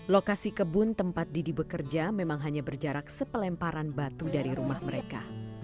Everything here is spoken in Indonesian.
lokasi kebun tempat didi bekerja memang hanya berjarak sepelemparan batu dari rumah mereka